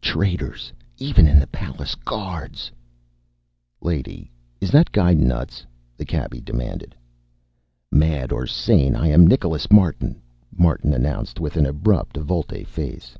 Traitors even in the palace guards!" "Lady, is that guy nuts?" the cabbie demanded. "Mad or sane, I am Nicholas Martin," Martin announced, with an abrupt volte face.